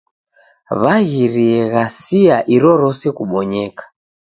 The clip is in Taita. W'aghirie ghasia irorose kubonyeka.